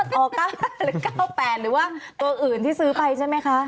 ๙หรือ๙๘หรือว่าตัวอื่นที่ซื้อไปใช่ไหมคะ